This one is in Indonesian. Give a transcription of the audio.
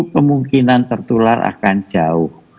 kemungkinan tertular akan jauh